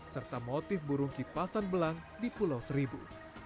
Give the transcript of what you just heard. serta motif burung kipasan belang di pulau seribu